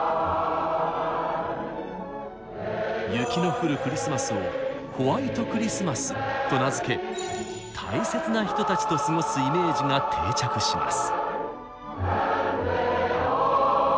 雪の降るクリスマスを「ホワイトクリスマス」と名付け大切な人たちと過ごすイメージが定着します。